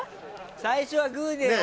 最初はグーで。